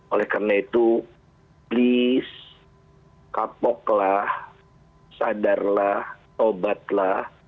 oleh karena itu please kapoklah sadarlah obatlah